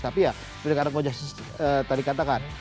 tapi ya tidak ada goja tadi katakan